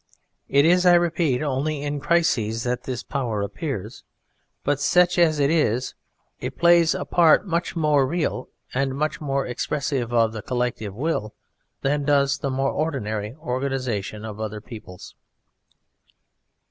It is, I repeat, only in crises that this power appears. But such as it is, it plays a part much more real and much more expressive of the collective will than does the more ordinary organization of other peoples.